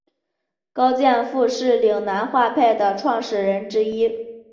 高剑父是岭南画派的创始人之一。